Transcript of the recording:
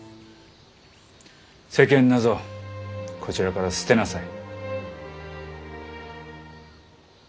世間なぞこちらから捨てなさい。